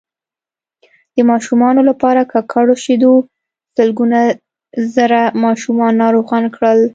د ماشومانو لپاره ککړو شیدو سلګونه زره ماشومان ناروغان کړل